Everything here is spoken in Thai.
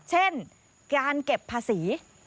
เช่นการเก็บภาษี